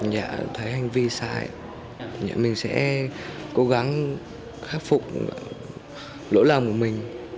nhận thấy hành vi sai nhà mình sẽ cố gắng khắc phục lỗi lầm của mình